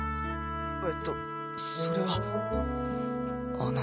えっとそれはあの。